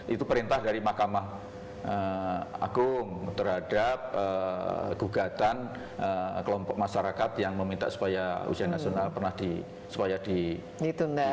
itu perintah dari mahkamah agung terhadap gugatan kelompok masyarakat yang meminta supaya ujian nasional pernah ditunda